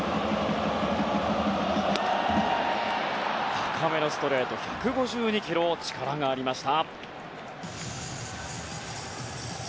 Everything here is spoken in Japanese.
高めのストレート１５２キロ、力がありました。